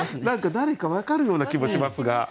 何か誰か分かるような気もしますが。